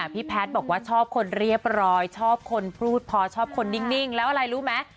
พี่แพทย์บอกว่าชอบคนเรียบร้อยชอบคนพูดพอชอบคนนิ่งแล้วอะไรรู้ไหม